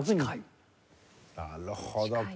なるほど。